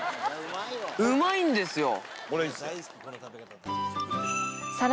うまいんですよ。